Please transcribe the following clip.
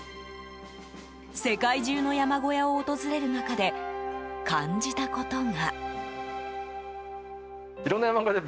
世界中の山小屋を訪れる中で感じたことが。